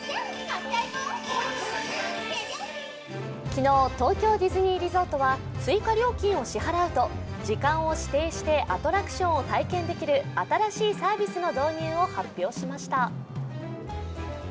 昨日、東京ディズニーリゾートは、追加料金を支払うと、時間を指定してアトラクションを体験できる新しいサービスの導入を発表しました。